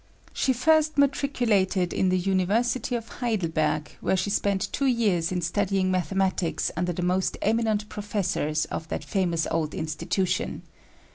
She first matriculated in the University of Heidelberg, where she spent two years in studying mathematics under the most eminent professors of that famous old institution.